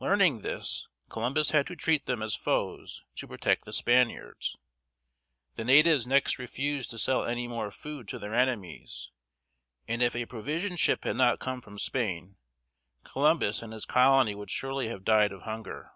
Learning this, Columbus had to treat them as foes, to protect the Spaniards. The natives next refused to sell any more food to their enemies, and if a provision ship had not come from Spain, Columbus and his colony would surely have died of hunger.